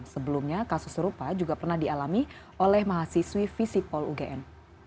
sebelumnya kasus serupa juga pernah dialami oleh mahasiswi visipol ugm